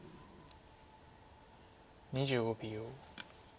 ２５秒。